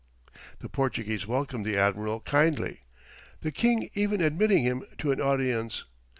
The Portuguese welcomed the admiral kindly, the king even admitting him to an audience.